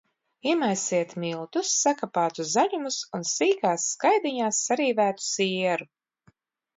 Iemaisiet miltus, sakapātus zaļumus un sīkās skaidiņās sarīvētu sieru.